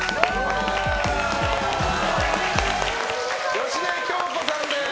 芳根京子さんです。